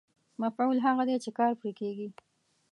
مفعول هغه دی چې کار پرې کېږي.